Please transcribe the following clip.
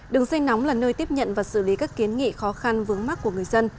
đường dây nóng là nơi tiếp nhận và xử lý các kiến nghị khó khăn vướng mắt của người dân